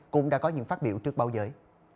cũng đã có những phát biểu trước báo giới